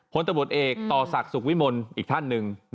ตำรวจเอกต่อศักดิ์สุขวิมลอีกท่านหนึ่ง